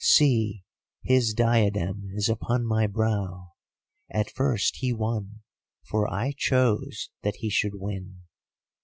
See, his diadem is upon my brow! At first he won, for I chose that he should win.